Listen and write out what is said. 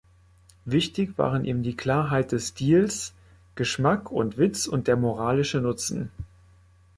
Wichtig waren ihm die Klarheit des Stils, Geschmack und Witz und der moralische Nutzen.